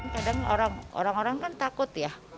kadang orang orang kan takut ya